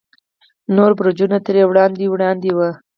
نور برجونه ترې وړاندې وړاندې وو.